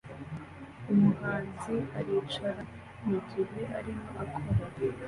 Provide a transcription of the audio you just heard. Umuhanzi aricara mugihe arimo akora